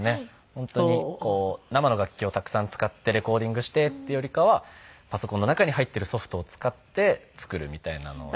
本当に生の楽器をたくさん使ってレコーディングしてっていうよりかはパソコンの中に入ってるソフトを使って作るみたいなので。